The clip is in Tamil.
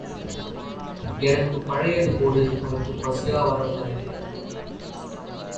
எனக்குப் பழையது போடு உனக்குப் பசியா வரம் தருகிறேன்.